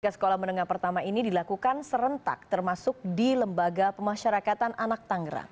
sekolah menengah pertama ini dilakukan serentak termasuk di lembaga pemasyarakatan anak tangerang